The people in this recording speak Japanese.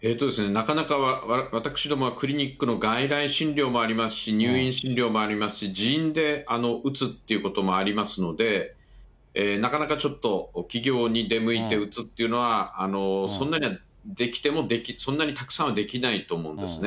なかなか私どもは、クリニックの外来診療もありますし、入院診療もありますし、自院で打つということもありますので、なかなかちょっと企業に出向いて打つっていうのは、そんなにはできても、たくさんはできないと思うんですね。